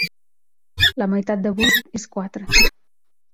La meitat de vuit és quatre.